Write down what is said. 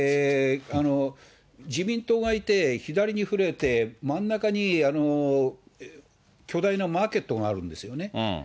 自民党がいて、左に振れて、真ん中に巨大なマーケットがあるんですよね。